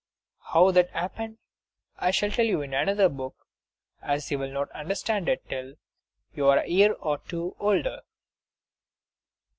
How that happened I shall tell you in another book, as you will not understand it till you are a year or two older.